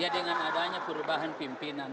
dengan adanya perubahan pimpinan